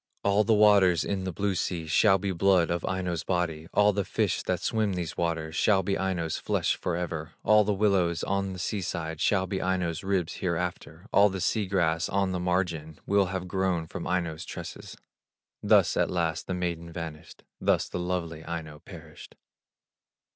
All the waters in the blue sea Shall be blood of Aino's body; All the fish that swim these waters Shall be Aino's flesh forever; All the willows on the sea side Shall be Aino's ribs hereafter; All the sea grass on the margin Will have grown from Aino's tresses." Thus at last the maiden vanished, Thus the lovely Aino perished.